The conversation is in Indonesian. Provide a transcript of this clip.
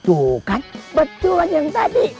tuh kan betulan yang tadi